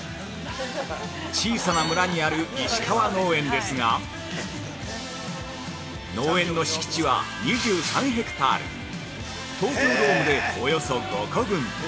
小さな村にある石川農園ですが農園の敷地は、２３ヘクタール東京ドームでおよそ５個分。